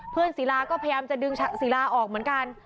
ศิลาก็พยายามจะดึงศิลาออกเหมือนกัน